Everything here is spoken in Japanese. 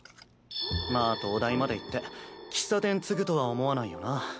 まあ東大まで行って喫茶店継ぐとは思わないよな。